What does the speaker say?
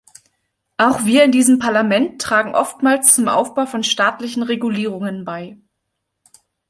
Auch wir in diesem Parlament tragen oftmals zum Aufbau von staatlichen Regulierungen bei.